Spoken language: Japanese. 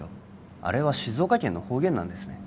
あれは静岡県の方言なんですね